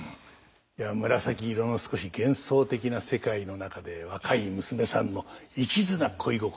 いや紫色の少し幻想的な世界の中で若い娘さんの一途な恋心